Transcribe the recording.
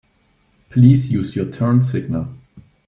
Please use your turn signal.